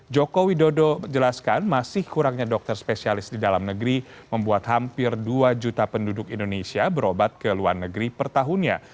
joko widodo menjelaskan masih kurangnya dokter spesialis di dalam negeri membuat hampir dua juta penduduk indonesia berobat ke luar negeri per tahunnya